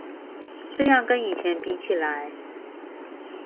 這樣跟以前比起來